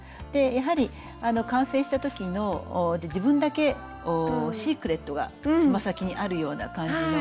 やはり完成した時の自分だけシークレットがつま先にあるような感じの。